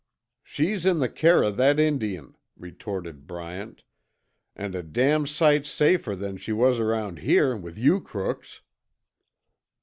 "She's in the care of that Indian," retorted Bryant, "an' a damn sight safer than she was around here with you crooks."